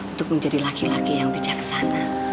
untuk menjadi laki laki yang bijaksana